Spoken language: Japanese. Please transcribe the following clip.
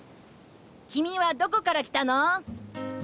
君はどこから来たの？